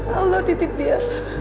allah titip dia